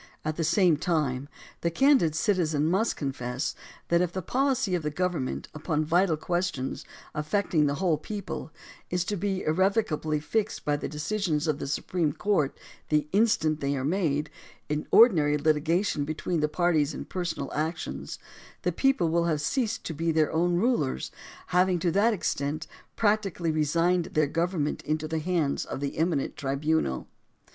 At the same time, the candid citizen must confess that if the policy of the government, upon vital questions affecting the whole people, is to be irrevocably fixed by the de cisions of the Supreme Court, the instant they are made, in ordinary litigation between the parties in personal actions, the people will have ceased to be their own rulers, having to that extent practically resigned their government into the hands of the eminent tribunal.